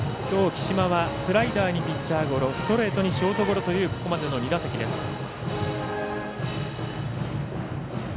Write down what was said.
きょう、貴島はスライダーにピッチャーゴロストレートにショートゴロというここまでの２打席です。